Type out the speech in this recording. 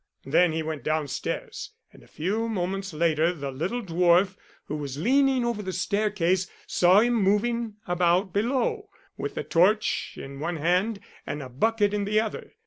Then he went downstairs, and a few moments later the little dwarf, who was leaning over the staircase, saw him moving about below, with the torch in one hand and a bucket in the other.